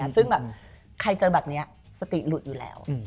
ซึ่งแบบใครเจอแบบนี้สติหลุดอยู่แล้ว